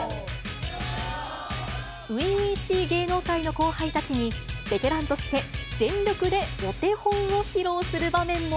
初々しい芸能界の後輩たちに、ベテランとして全力でお手本を披露する場面も。